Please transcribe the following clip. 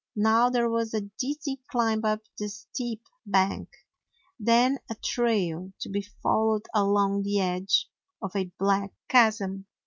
Now there was a dizzy climb up the steep bank, then a trail to be followed along the edge of a black chasm.